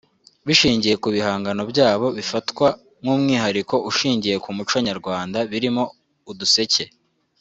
bishingiye ku bihangano byabo bifatwa nk’umwihariko ushingiye ku muco nyarwanda birimo uduseke